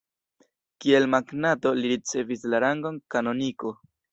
Kiel magnato, li ricevis la rangon kanoniko.